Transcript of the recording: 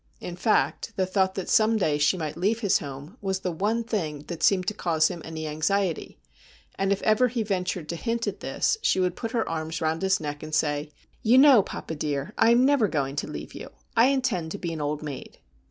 In fact, the thought that some day she might leave his home was the one thing that seemed to cause him any anxiety, and if ever he ventured to hint at this she would put her arms round his neck and say :' You know papa, dear, I am never going to leave you. I intend to be an old maid.'